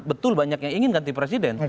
betul banyak yang ingin ganti presiden